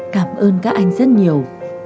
cảm ơn các anh rất nhiều